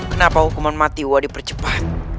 kenapa hukuman matiwa dipercepat